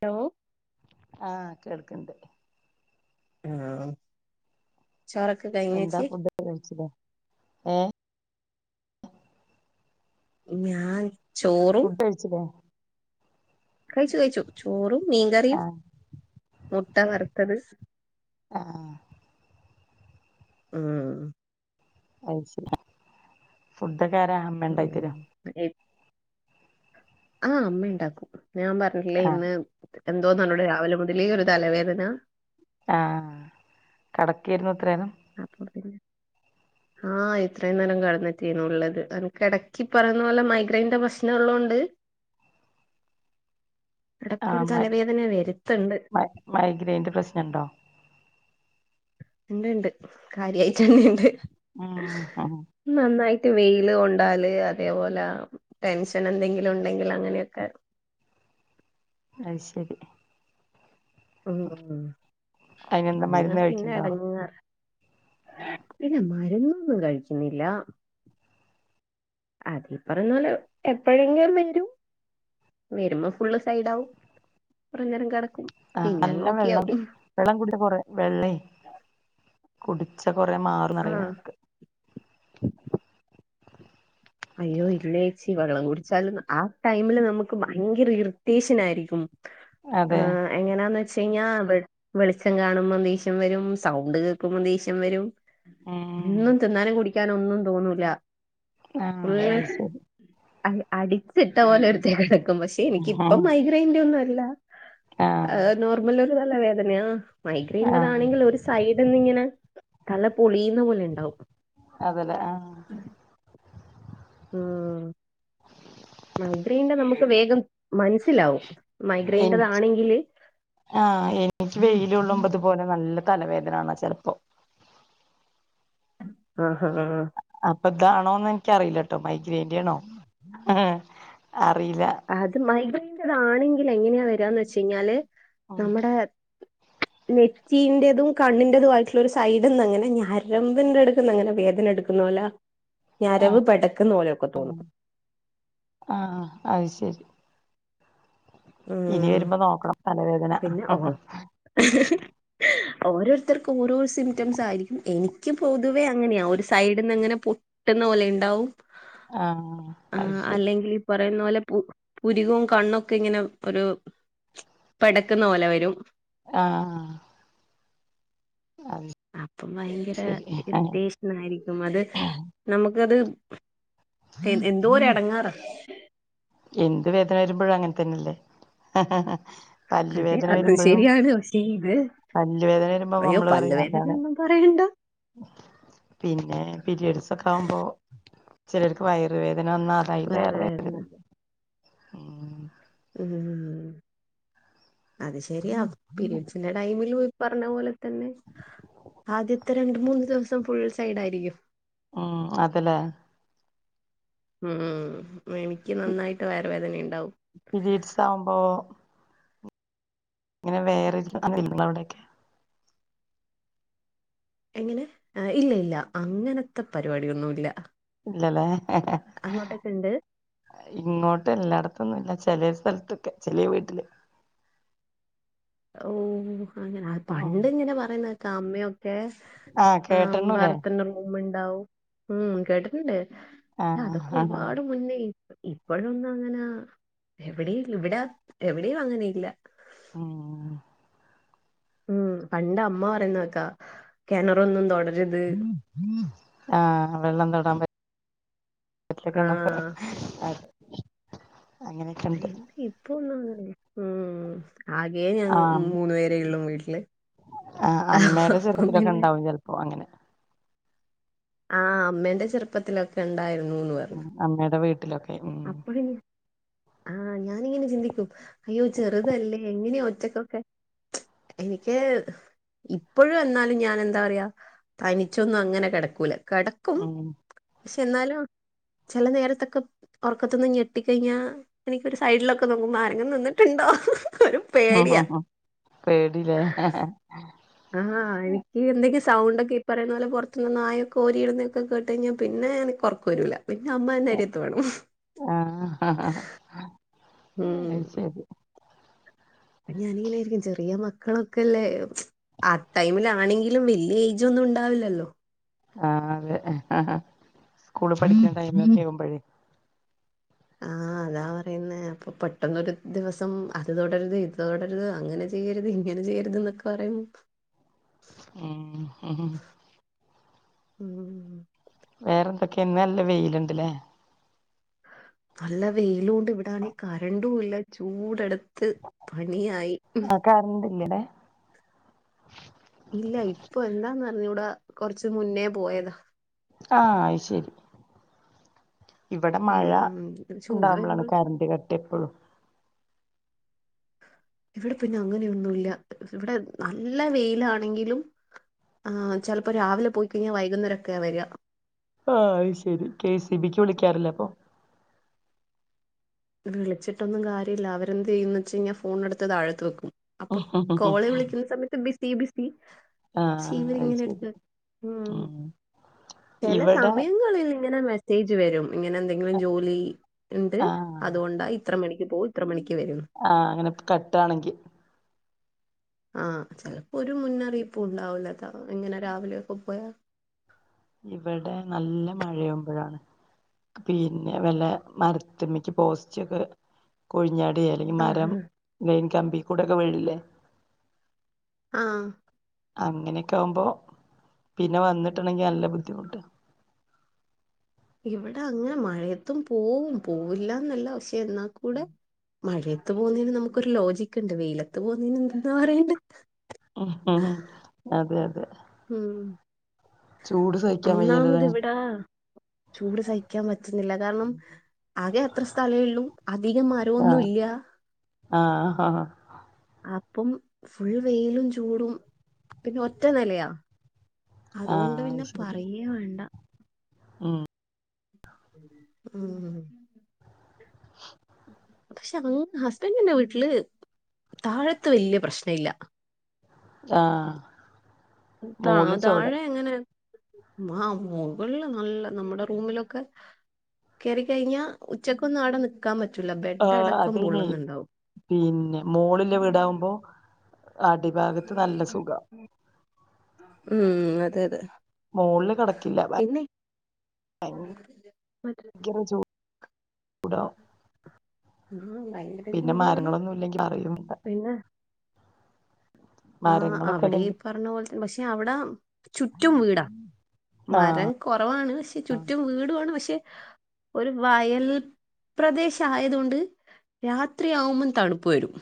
Hello ആഹ് കേൾക്കണ്ട് ആഹ്. ചോറൊക്കെ എന്താ കഴിഞ്ഞേച്ചി ഫുഡൊക്കെ കഴിച്ചിലെ? ഏഹ്. ഞാൻ ചോറും ഫുഡ് കഴിച്ചിലേ കഴിച്ചു കഴിച്ചു. ചോറും, മീൻകറിയും, ആഹ് മുട്ട വറുത്തത് ആഹ് ഉം അത് ശരി. ഫുഡൊക്കെ ആരാ അമ്മ ഉം ഇണ്ടാക്കിത്തരോ പിന്നെ ആഹ് അമ്മ ഉണ്ടാക്കും. ഞാൻ പറഞ്ഞിട്ടില്ലേ ആഹ് ഇന്ന് എന്തോന്നറിയില്ല, രാവിലെ മുതലേ ഒരു തലവേദന ആഹ് കിടക്കായിരുന്നു ഇത്ര നേരം അപ്പേ പിന്നെ ആഹ് ഇത്രയും നേരം കടന്നത്തിന്നുള്ളത് അതൊക്കെ എടക്കി പറയുന്നോലെ മൈഗ്രൈന്റെ പ്രശ്നം ഉള്ളോണ്ട്. [inaudible] ഇടക്കൊരു ആമൈ തലവേദന വരുത്തുണ്ട് മൈ മൈഗ്രൈയിന്റെപ്രശ്നംണ്ടോ? ഇണ്ട്ണ്ട് കാര്യയ്റ്റന്നെണ്ട് ഉംഹ് അഹ് നന്നായിട്ട് വെയ്ല്കൊണ്ടാല് അതേപോലെ ടെൻഷനെന്തെങ്കിലും ഉണ്ടെങ്കില് അങ്ങനെയൊക്കെ അയ്ശെരി ഉം ഉം ഉം അയിനെന്താ മരുന്ന് കഴിക്ക്ണ്ടോ വന്നപിന്നെഎടങ്ങെറ് പിന്നെ മര്ന്നൊന്നും കഴിക്ക്‌ണില്ല. അതീപറയ്ന്നൊലെ എപ്പെഴെങ്കിലുംവരും വരുമ്പോ ഫുള്ള്സൈഡാവും കൊറെനേരംകടക്കും. ആഹ് നല്ലവെള്ളം കു വെള്ളംകുടിയകൊറ വെള്ളേ കുടിച്ചകൊറെമാറുന്ന്റിയ ആഹ് അയ്യോ ഇല്ലേച്ചി വള്ളംകുടിച്ചാലും ആ ടൈമില് നമുക്ക് ഭയങ്കര ഇറിറ്റേഷനായിരിക്കും അതെ ആഹ് എങ്ങനാന്ന് വെച്ച് കഴിഞ്ഞാ വെളിച്ചംകാണുമ്പോ ദേഷ്യംവരും സൗണ്ട്കേക്ക്‌മ്പോ ദേഷ്യംവരും ഉം ഒന്നും തിന്നാനും കുടിക്കാനൊന്നും തോന്നൂല്ല ആഹ് അയ്ശരി അഹ് അടിച്ചിട്ടപോലെരു [unintelligible] പഷെനിക്കിപ്പം ആഹ് മൈഗ്രൈയിന്റെ ഒന്നു അല്ല അഹ് നോർമലൊരു തലവേദനയാ ആഹ് മൈഗ്രൈയിന്റെതാണെങ്കിൽ ഒരു സൈഡന്നിങ്ങനെ തല പൊളിയുന്ന പോലെയ്ണ്ടാവും അതലേ ആഹ് ആഹ് മൈഗ്രൈയിന്റെ നമുക്ക് വേഗം മൻസ്സിലാവും എൻ മൈഗ്രൈയിന്റെതാണെങ്കില് ആഹ് എനിക്ക് വെയില്കൊള്ളുമ്പത്പോലെ നല്ലതലവേദനാണ ചെൽപ്പോ ആഹ് ഹാഹ് അപ്പൊതാണോന്ന് ഇൻക്കറിയില്ലട്ടോ മൈഗ്രേന്റെണോ അറിയില അത് മൈഗ്രൈയിന്റെതാണെങ്കില് എങ്ങനെയാവരാന്ന് വെച്ചഴിഞ്ഞാല് ഉം നമ്മ്ടെ നെറ്റീന്റെതും കണ്ണിന്റതുംആയിട്ടുള്ള ഒരുസൈഡ്ന്ന്ങ്ങനെ ഞരമ്പിന്റെട്ക്ക്ന്ന്ങ്ങനെ വേദന എടുക്ക ന്ന് പോലെ ഞരവ്പെടക്ക്ന്ന് പോലൊക്കെതോന്നും ആഹ് അഹ്ശരി ഉം ഇനിവരുമ്പോനോക്കണം തലവേദന [unintelligible] ഓരോരുത്തർക്ക് ഓരോ സിംറ്റംസായിരിക്കും എനിക്ക് പൊതുവേ അങ്ങനെയാ ഒരുസൈഡിന്ന് അങ്ങനെ പൊ ട്ട്ന്ന പോലെ ഇണ്ടാവും ആഹ് അത് ആഹ് ശരി അല്ലെങ്കിൽ ഈപറയുന്നപോലെ പു പുരികും കണ്ണൊക്കിങ്ങനെ ഒരു പെടക്ക്ന്ന പോലെവരും ആഹ് ആഹ് അഹ് അപ്പം ഭയങ്കര ഇറിറ്റെശനായിരിക്കും അത് നമ്മക്കത് എൻ എന്തോര് എടങ്ങേറാ എന്ത് വേദനവരുമ്പഴും അങ്ങൻതന്നെല്ലേ അതെ അതുംശെരിയാണ് പക്ഷേഇത് പല്ല് വേദന വരുമ്പോ നമ്മള് അയ്യോപല്ല് പറയും അതാണ് വേദനയൊന്നും പറയണ്ട പിന്നെ പിരിയഡ്സൊക്കാവുമ്പോ ചെലർക്ക് വയറുവേദനവെന്ന അതയ്ലേറേ വയറുവേദന ഉം അത്ശരിയാ പിരയഡ്സിന്റെടൈമിലും ഇപ്പറഞ്ഞപോലെ തന്നെ ആദ്യത്തെ രണ്ട്മൂന്ന് ദിവസം ഫുൾ സൈഡായിരിക്കും ഉം അത് ലേ ഉം എനിക്ക് നന്നായിട്ട് വയർ വേദന ഉണ്ടാവും പിരീഡ്‌സ് ആവുമ്പോ ഇങ്ങനെ വേറെ ഇരിക്കൽ ഉണ്ടോ ഇങ്ങളെ അവിടെക്കെ എങ്ങനെ ഇല്ല ഇല്ല അങ്ങനത്തെ പരിപാടിയൊന്നുല്ല ഇല്ലലേ അങ്ങോട്ടൊക്കെണ്ട് ഇങ്ങോട്ട് എല്ലായിടത്തൊന്നും ഇല്ല ചെലേ സ്ഥലത്തൊക്കെ ചെലെ വീട്ടില് ഓഹ് അങ്ങനെ ഉം പണ്ടിങ്ങനെ പറയുന്നക്കെ അമ്മയൊക്കെ ആഹ് ആ കേട്ടണൂല്ലേ ബേറതന്നെ റൂമുണ്ടാവും ഉം കേട്ടിട്ടുണ്ട് ആഹ് അതൊക്ക ആഹ് ഒരുപാട് മുന്നേ ഇപ്പോഴൊന്നും അങ്ങന എവിടെ ഇല്ല ഇവടെ എവിടെയും അങ്ങനെയില്ല ഉം ഉം പണ്ട് അമ്മ പറയുന്നെക്കാ കെണറൊന്നും തോട ആ വെള്ളം തൊടാം പ ആ ഒറ്റക്കൊള്ളൂ [unintelligible] അത് അങ്ങനെ അയിന് ഇപ്പൊ ഒന്നും അങ്ങനെ ഉം ആകേ ഞങ് മൂന്നു പേരേ ഒള്ളു വീട്ട്ല് ആ അമ്മെടെ ചെർപ്പത്തിലൊക്കെ ഇണ്ടാവും ചെൽപ്പോ അങ്ങനെ ആ അമ്മേന്റെ ചെർപ്പത്തിലൊക്കെ ഇണ്ടായിരുന്നൂന്ന് പർഞ് അമ്മെടെ വീട്ടിലൊക് അപ്പയെ ആ ഞാനി ഇങ്ങനെ ചിന്തിക്കും അയ്യോ ചെറ്തല്ലേ എങ്ങനെ ഒറ്റക്കൊക്കെ എനിക്ക് ഇപ്പഴും എന്നാലും ഞാൻ എന്താ പറയാ തനിച്ചൊന്നും അങ്ങനെ കെടക്കൂല കെട- അങ്ങനെ പക്ഷെ എന്നാലും ചെല നേര്ത്തക്ക ഒർക്കത്ത്ന്ന് ഞെട്ടിക്കഴിഞ്ഞാ എനിക്കൊരു സൈഡ്ലൊക്ക നോക്കുമ്പോ ആരെങ്കിലും നിന്ന്ട്ട്ണ്ടോ ഒരു ഉം പേടിയാ ഉം ഉം പേടിലേ ആ എനിക്ക് എന്തെങ്കിം സൗണ്ട് ഒക്ക ഇ പറയുന്ന പോലെ പൊർത്ത്ന്ന് നായക്ക ഓരിയിടുന്നക്കെ കേട്ട് കഴിഞ്ഞാ പിന്നെ ഞാൻ നി- ക്ക് ഒർക്ക് വരൂല പിന്നെ അമ്മ എന്ന അരിയത്ത് വേണം ആ ഉം അപ്പ ഞാനിങ്ങനെ വിയാരിക്കും ചെറിയ മക്കളൊക്കല്ലേ ആ ടൈമിലാണെങ്കിലും വല്ല്യ ഏയ്ജ് ഒന്നും ഉണ്ടാവില്ലല്ലോ ആ അതെ സ്കൂള് പഠിക്ക്ണ ടൈമക്കെ ആവുമ്പഴേ ആ അതാ പറയുന്നേ അപ്പ പെട്ടെന്നരു ദിവസം അത് തൊടര്ത് ഇത് തൊടര്ത് അങ്ങനെ ചെയ്യരുത് ഇങ്ങനെ ചെയ്യരുത് ന്നൊക്ക പറയും ഉം ഉം വേറെ എന്തൊക്കെ ഇന്ന് നല്ല വെയില്ണ്ട് ലെ നല്ല വെയിലൂണ്ട് ഇവടാണെങ്കി കരണ്ടു ഇല്ല ചൂട് എട്ത്ത് പണിയായി ആ കര്ണ്ടില്ല്യ ലെ ഇല്ല ഇപ്പൊ എന്താന്നർഞ്ഞൂട കൊർച്ച് മുന്നേ പോയതാ ആ അയ്ശരി ഇവടെ മഴ ഉം ചൂട് ഇണ്ടാവുമ്പളാണ് വരുമ്പോൾ കര്ന്റ് കട്ട് എപ്പഴും ഇവടെ പിന്നെ അങ്ങനെയൊന്നുല്ല ഇവടെ നല്ല വെയിലാണെങ്കിലും ആ ചെൽപ്പോ രാവിലെ പോയി കഴിഞ്ഞാ വൈകുന്നരെക്കെ വര ആ അത് ശരി കെ സി ബിക്ക് വിളിക്കാറില്ല അപ്പൊ വിളിച്ചിട്ടൊന്നും കാര്യല്ല അവരെന്ത് ചെയ്യുന്ന് വെച്ച് കഴിഞ്ഞാ ഫോണ എടുത്ത് താഴത്ത് വെക്കും അപ്പൊ കോള് വിളിക്കുന്ന സമയത്ത് ബിസി ബിസി ഷി ആഹ് ഇവര് അത് ഇങ്ങനെ ശരി എട്ത്ത് ഉം ചെല ഇവിടെ സമയങ്ങളിൽ ഇങ്ങനെ മെസ്സേജ് വരും ഇങ്ങനെ എന്തെങ്കിലും ജോലി ഇണ്ട് ആഹ് അതുകൊണ്ടാ ഇത്ര മണിക്ക് പോവും ഇത്ര മണിക്ക് വരും ആ അങ്ങനെ കട്ടാണെങ്കി ആ ചെലപ്പോ ഒരു മുന്നറിയിപ്പും ഉണ്ടാവൂല അതാ ഇങ്ങനെ രാവിലെയൊക്ക പോയാ ഇവടെ നല്ല മഴയാവുമ്പഴാണ് പിന്നെ വല്ല മരത്ത്മ്മക്ക് പോസ്റ്റൊക്കെ കൊഴിഞ്ഞാട്യാ അല്ലെങ്കി മരം ആഹ് ലൈൻ കമ്പി കൂടെ ഒക്കെ വിഴില്ലേ ആഹ് അങ്ങനെക്കെ ആവുമ്പോ പിന്നെ വന്നിട്ട്ണെങ്കി നല്ല ബുദ്ധിമുട്ടാ ഇവടെ അങ്ങനെ മഴയത്തും പോവും പോവില്ല ഇന്നല്ല പക്ഷേ എന്നാ കൂടെ മഴയത്ത് പോവുന്നതിന് നമുക്കൊരു ലോജിക്ക് ഇണ്ട് വെയിലത്ത് പോവുന്നതിന് എന്തന്നാ പറയെണ്ടെ അതെ അതെ ഉം ചൂട് സഹിക്കാൻ വയ്യല്ലല്ലേ ഒന്നാമത് ഇവടെ ചൂട് സഹിക്കാൻ പറ്റുന്നില്ല കാരണം ആകെ അത്ര സ്ഥലെ ഒള്ളു അധികം മരം ഒന്നും ആഹ് ഇല്ല ആഹ് അപ്പം ഫുൾ വെയിലും ചൂടും പിന്നെ ഒറ്റ നെലയാ അതുകോണ്ട് ആഹ് പിന്നെ അത് ശരി പറയേ വാണ്ട ഉം ഉം പക്ഷെ അങ് ഹസ്ബന്റിന്റെ വീട്ടില് താഴത്ത് വല്ല്യേ പ്രശ്നല്ല ആഹ് താ മോള് ചോട താഴെ അങ്ങനെ മാ മുകളിൽ നല്ല നമ്മടെ റൂമിലൊക്കെ കേറി കഴിഞ്ഞ ഉച്ചക്കൊന്നവ്ടെ നി ക്കാൻ പറ്റൂല ബെ ആഹ് അതെയ്നെ പിന്നെ മോളില് വീടാവുമ്പോ അടിഭാഗത്ത് നല്ല സുഖാ ഉം അതെ അതെ മോളില് കിടക്കില്ല പിന്നെ [unintelligible] മറ്റേ ണ്ടാവും ആ ഭയങ്കര പിന്നെ ചൂടുമാണ് മരങ്ങളൊന്നും ഇല്ലെങ്കി അറിയൂല്ല ആഹ് മരങ്ങളൊക്കെ അവിടെ ഈ ഇല്ലെങ്കിൽ പർഞ്ഞ പോലെത്ത പക്ഷെ അവിടെ ചുറ്റും വീടാ ആഹ് മരം കോറവാണ് പക്ഷെ ചുറ്റും വീടുണ് പക്ഷെ ഒരു വയൽ പ്രദേശ ആയത് കൊണ്ട് രാത്രിയാവുബം തണുപ്പ് വരും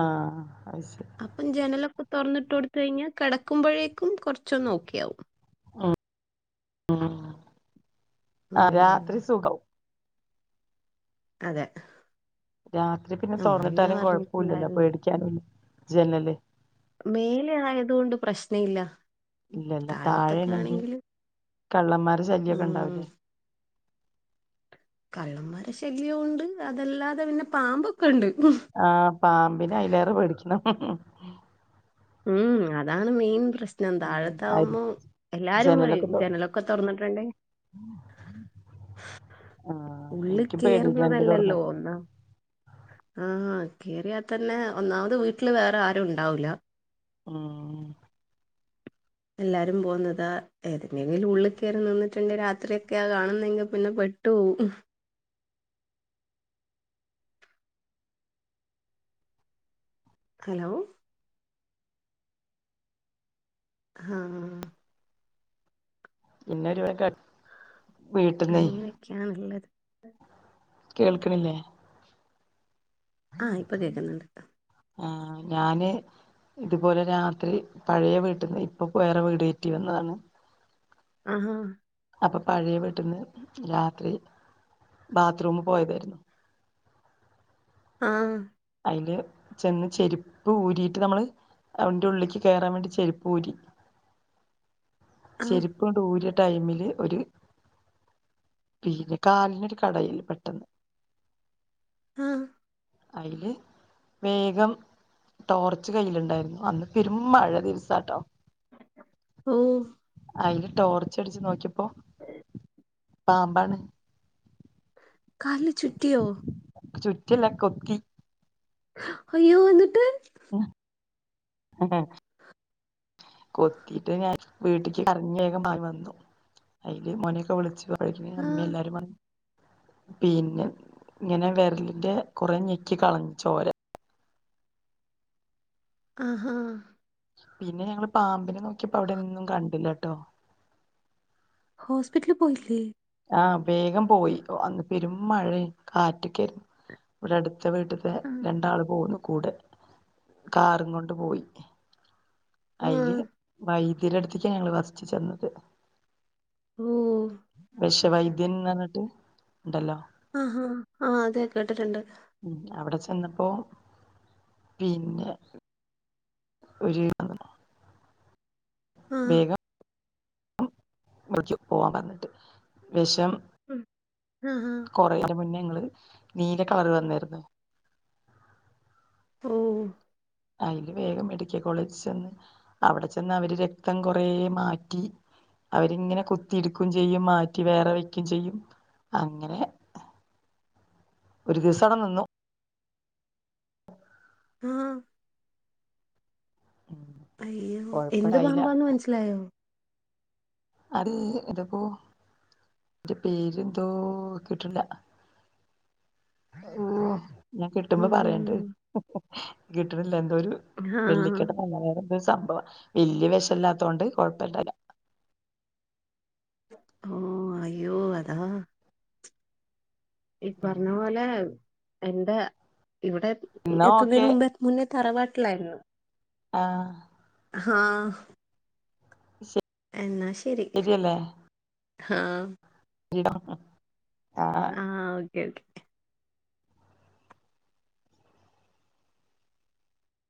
ആഹ് അത് ശ അപ്പം ജനലൊക്കെ തുറന്നിട്ട് കൊടുത്ത കഴിഞ്ഞാ കേടക്കുമ്പോഴേക്കും കോർച്ചൊന്ന് ഓക്കെ ആകും ഉം ഉം ഉം. രാത്രി സുഖം അതെ രാത്രി പിന്നെ നമ്മളിങ്ങനെ തുറന്നിട്ടാലും കോഴപ്പല്ലല്ലോ പറഞ്ഞിട്ടുണ്ടായിരുന്നു പേടിക്കാനുല്ല ജനല് മേലെ ആയതുകൊണ്ട് പ്രശ്നല്ല ഇല്ല ഇല്ല താഴെണെങ്കി കള്ളന്മാരെ ശല്ല്യക്കെ ഉം ഇണ്ടാവില്ലേ കള്ളന്മാരെ ശല്യവും ഉണ്ട് അതല്ലാതെ പിന്നെ പാമ്പൊക്കെ ഇണ്ട് ആഹ് പാമ്പിനെ അതിലേറെ പേടിക്കണം ഉം അതാണ് മെയിൻ പ്രശ് [unintelligible] ഉം അരി താഴത്തവുമ്പോ എല്ലാരും ജനലൊക്കെ പറയും തൊ ജനലൊക്കെ തുറന്നിട്ട്ണ്ടേ ആഹ് ഉള്ള് എനിക്കും പേടിയാ ജനല് കേറുന്നതല്ലല്ലോ തുറന്നത് ഒന്നാ ആഹ് കേറിയാ തന്നെ ഒന്നാമത് വീട്ടില് വേറെ ആരും ഇണ്ടാവൂല ആഹ് എല്ലാരും പോകുന്നത് ഏതിന്റെ ഉള്ളിൽ കേറി നിന്നിട്ടുണ്ട് രാത്രിയൊക്കെ ആഹ് കാണുന്നെങ്കി പിന്നെ ട്ട് പോവും ഹലോ, ആഹ് പിന്നെ ഒരു [unintelligible] വീട്ടന്നേയ്. [unintelligible] ണ്ള്ളത് കേൾക്കണില്ലേ? ആഹ് ഇപ്പൊ കേൾക്കുന്നുണ്ടത്താ. ആഹ് ഞാന് ഇതുപോലെ രാത്രി പഴയ വീട്ടിന്ന് ഇപ്പൊ വേറെ വീട് കയറ്റി വന്നതാണ്. ആഹാ... അപ്പൊ പഴയ വീട്ടിന്ന് രാത്രി ബാത്റൂം പോയതായിരുന്നു. ആഹ്, അതില് ചെന്ന് ചെരുപ്പ് ഊരിയിട്ട് നമ്മള് അയിന്റെ ഉള്ളിക്ക് കയറാൻ വേണ്ടി ചെരിപ്പൂഊരി, ആഹ് ശരി. ഊര്യ ടൈമില് ഒരു പിന്നെ കാലിനൊരു കടയല് പെട്ടെന്ന്. ആഹ്. അതിൽ വേഗം. ടോർച്ച് കയ്യിലുണ്ടായിരുന്നു അന്ന് പെരും മഴ ദിവസാട്ടോ... ഓഹ്. അയില് ടോർച്ച അടിച്ച് നോക്യായപ്പോ ഉം പാമ്പാണ്. കലിന് ചുറ്റിയോ!? ചുറ്റില്ല കൊത്തി. അയ്യോ ന്നിട്ട്? ഉം. കൊത്തിട്ട് ഞാൻ വീട്ട്ക്ക് കരഞ്ഞേകം പാഞ്ഞി വന്നു. അതില് മ്മാന്യോക്കെ വിളിച്ചി അയില് ഉമ്മി ആഹ് എല്ലാരും വ പിന്നെ ഇങ്ങനെ വിരലിന്റെ കുറെ ഞെക്കി കളഞ്ഞിച്ചോര ആഹാ. പിന്നെ ഞങ്ങള് പാമ്പിനെ നോക്കിയപ്പോ അവിടെന്നും കണ്ടില്ലട്ടോ. ഹോസ്പിറ്റല് പോയില്ലേ ആഹ് വേഗം പോയി. അന്ന് പെരും മഴേനി കാറ്റക്കരുന്നു. ഇവിടെ അടുത്ത വീട്ടത്തെ ആ രണ്ടാള് പോന്നു കൂടെ. കാറും കൊണ്ട് പോയി ആ അതില്. വൈദ്യര അടുത്ത്ക്കാ ഞങ്ങള് ഫസ്റ്റ് ചെന്നത്. ഓഹ്. വിഷ വൈദ്യൻ ന്ന് പറഞ്ഞിട്ട് ഉണ്ടല്ലോ. ആഹ് ആഹ് അതെ കേട്ടിട്ടുണ്ട്. അവിടെ ചെന്നപ്പോ പിന്നെ. ഒരു. ആ വേഗം. വിളിക്കു പോവാൻ പറഞ്ഞിട്ട് വിഷം ഉം ആഹ് ആഹ്. കൊറേന മുന്നേ ങ്ങൾ നീല കളർ വന്നായിരുന്നു ഓ അതില് വേഗം മെഡിക്കൽ കോളേജ് ചെന്ന് അവിടെ ചെന്ന് അവര് രക്തം കൊറെ മാറ്റി അവരിങ്ങനെ കുത്തി ഇടുക്കുകയും ചെയ്യും മാറ്റി വേറെ വയ്ക്കും ചെയ്യും അങ്ങനെ ഒരു ദിവസം അവിട നിന്നു ആഹ് ഉം അയ്യോ എന്ത് കൊഴപ്പണ്ടായില്ല പാമ്പാന്ന് മനസ്സിലായോ അതു എന്തപ്പോ അയ്ന്റെ പേരെന്തോ കിട്ടണില്ല ഓഹ് ഞാൻ കിട്ടുമ്പോ ഉം ഹും പറയണ്ട് കിട്ടണില്ല എന്തോ ഒരു ആ വെള്ളിക്കട്ട പറഞ്ഞ നേരം ഒരു സംഭവമാ വല്യ വെഷം ഇല്ലാത്തത്തോണ്ട് കൊഴപ്പം ഒന്നുമില്ല ഓഹ് അയ്യോ അതാ ഈ പറഞ്ഞ പോലെ എന്റെ ഇവിടെ എന്നാ ഓക്കെ എത്തുന്നതിന് മുമ്പേ മുന്നേ തറവാട്ടിലായിരുന്നു ആഹ് ങ്ങ് ആഹ് എന്നാ ശരി ശരിയല്ലേ ആഹ് ഇടാ ആഹ് ആഹ് ഓക്കേ ഓക്കേ